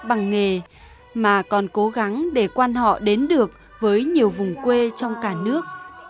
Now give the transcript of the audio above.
bằng nghề mà còn cố gắng để quan họ đến được với nhiều vùng quê trong cả nước